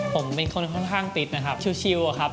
ผมเป็นคนค่อนข้างติดนะครับชิลอะครับ